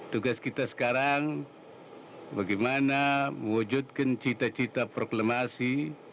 tugas kita sekarang bagaimana mewujudkan cita cita proklamasi